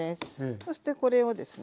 そしてこれをですね